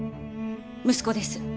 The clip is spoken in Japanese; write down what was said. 息子です。